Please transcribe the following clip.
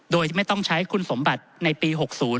โดยไม่ต้องใช้คุณสมบัติในปี๖๐